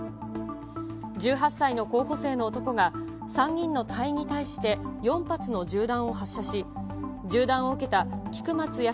１８歳の候補生の男が、３人の隊員に対して４発の銃弾を発射し、銃弾を受けた菊松安